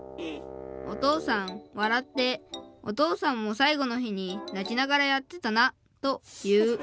お父さん笑って『お父さんも最後の日に泣きながらやってたな』と言う。